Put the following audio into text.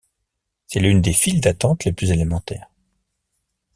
C'est l'une des files d'attente les plus élémentaires.